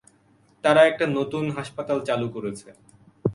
তারা একটা নতুন হাসপাতাল চালু করেছে।